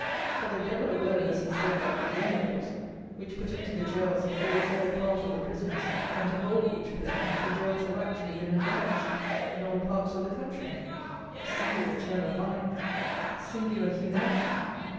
But the devil a word has he said about the game laws, which put into the gaols a full third part of the prisoners, and to hold which prisoners the gaols have actually been enlarged in all parts of the country! Singular turn of mind! Singular "humanity!"